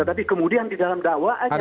tetapi kemudian di dalam dakwaan soediano fanto